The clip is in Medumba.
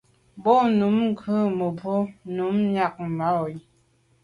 Bo num ngù mebwô num miag mage.